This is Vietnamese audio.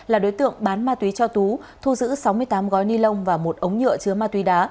là đối tượng bán ma túy cho tú thu giữ sáu mươi tám gói ni lông và một ống nhựa chứa ma túy đá